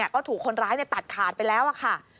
ก็ถูกคนร้ายตัดขาดไปแล้วค่ะ